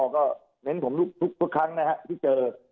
ก็เน้นผมทุกครั้งนะครับที่เจอ